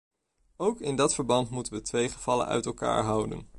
Ook in dat verband moeten we twee gevallen uit elkaar houden.